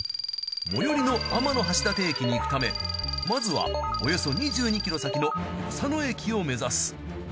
最寄りの天橋立駅に行くためまずはおよそ２２ｋｍ先の与謝野駅を目指す。